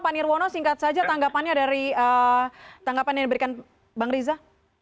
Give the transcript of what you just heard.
pak nirwono singkat saja tanggapannya dari tanggapan yang diberikan bang riza